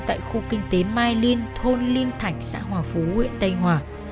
tại khu kinh tế mai linh thôn linh thạch xã hòa phú huyện tây hòa